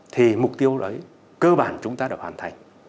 thì mục tiêu đấy cơ bản chúng ta đã hoàn thành